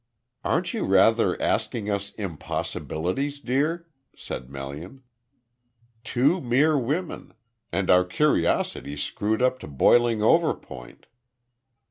"Aren't you rather asking us impossibilities, dear?" said Melian. "Two mere women! And our curiosity screwed up to boiling over point."